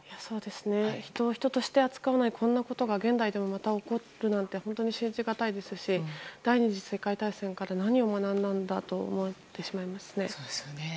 人を人として扱わないこんなことが現代でも、また起こるなんて信じがたいですし第２次世界大戦から何を学んだんだと思いますね。